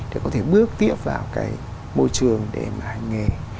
để có thể bước tiếp vào cái môi trường để mà hành nghề